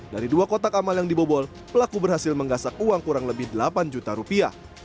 dari dua kotak amal yang dibobol pelaku berhasil menggasak uang kurang lebih delapan juta rupiah